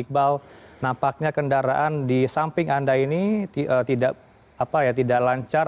iqbal nampaknya kendaraan di samping anda ini tidak lancar